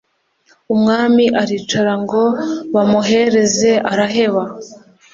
umwami aricara ngo bamuhereze araheba.